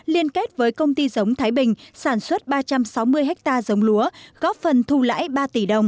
liên kết với công ty giống thái bình sản xuất ba trăm sáu mươi ha giống lúa góp phần thu lãi ba tỷ đồng